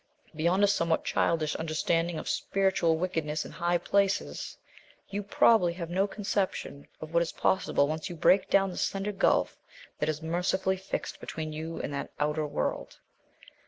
Beyond a somewhat childish understanding of 'spiritual wickedness in high places,' you probably have no conception of what is possible once you break down the slender gulf that is mercifully fixed between you and that Outer World.